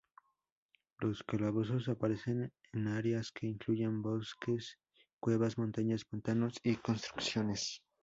Los calabozos aparecen en áreas que incluyen bosques, cuevas, montañas, pantanos y construcciones.